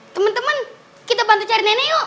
temen temen kita bantu cari nenek yuk